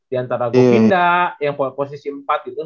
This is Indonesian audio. diantara govinda yang posisi empat gitu